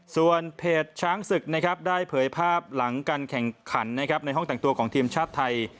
ส่วนเพจช้างศึกนะครับได้เผยภาพหลังการแข่งขันในห้องแต่งตัวของทีมชาติไทย